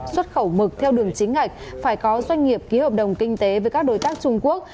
xuất khẩu mực theo đường chính ngạch phải có doanh nghiệp ký hợp đồng kinh tế với các đối tác trung quốc